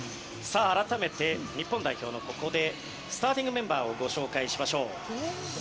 改めて日本代表のスターティングメンバーをご紹介しましょう。